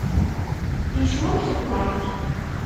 Yecmumeḥ-d Mike.